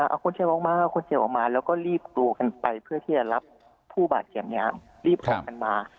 เอาคนเจ็บออกมาเอาคนเจ็บออกมาแล้วก็รีบกลัวกันไปเพื่อที่จะรับผู้บาดเจ็บรีบออกกันมา